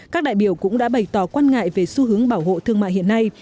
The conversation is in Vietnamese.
các đại biểu cũng đã bày tỏ quan ngại về xu hướng bảo hộ thương mại hiện nay